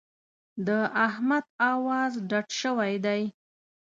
د احمد اواز ډډ شوی دی.